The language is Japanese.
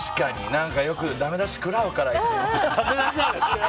何かよくダメ出し食らうから、いつも。